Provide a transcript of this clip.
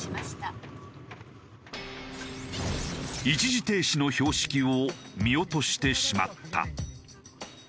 一時停止の標識を見落としてしまった。